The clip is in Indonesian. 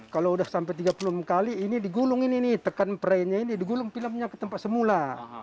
kalau udah sampai tiga puluh kali ini digulung ini tekan prainnya ini digulung filmnya ke tempat semula